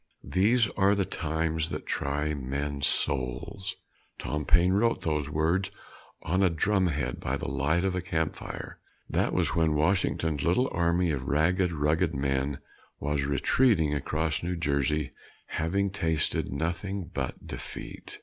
"These are the times that try men's souls." Tom Paine wrote those words on a drumhead, by the light of a campfire. That was when Washington's little army of ragged, rugged men was retreating across New Jersey, having tasted nothing but defeat.